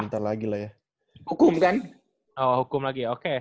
hukum kan oh hukum lagi oke